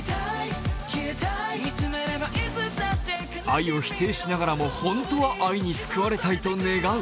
愛を否定しながらもホントは愛に救われたいと願う。